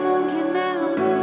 mungkin memang bukanlah